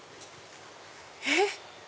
えっ？